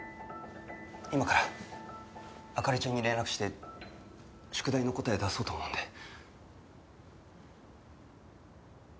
今から灯ちゃんに連絡して宿題の答え出そうと思うんで。